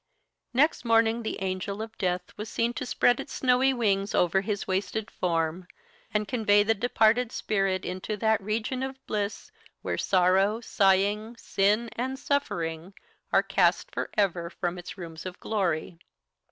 Next morning the Angel of Death was seen to spread its snowy wings over his wasted form, and convey the departed spirit into that region of bliss where sorrow, sighing, sin, and suffering are cast for ever from its rooms of glory.